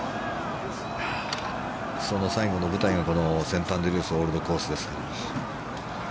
その最後の舞台がこのセントアンドリュース・オールドコースですか。